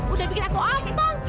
udah bikin aku ompong